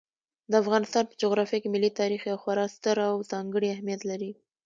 د افغانستان په جغرافیه کې ملي تاریخ یو خورا ستر او ځانګړی اهمیت لري.